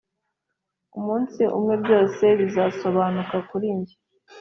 Umunsi umwe byose bizasobanuka kuri njye